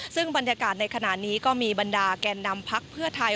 ซึ่งบรรยากาศในขณะนี้ก็มีบรรดาแก่นำพักเพื่อไทย